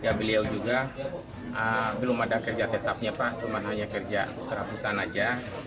sopan beliau juga belum ada kerja tetapnya pak cuma hanya kerja seraputan saja